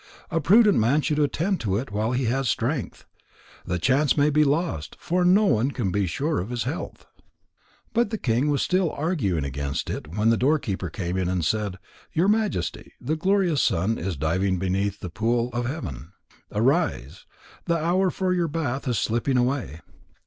A prudent man should attend to it while he has strength. The chance may be lost, for no one can be sure of his health." But the king was still arguing against it when the doorkeeper came in and said: "Your Majesty, the glorious sun is diving beneath the pool of heaven. Arise. The hour for your bath is slipping away."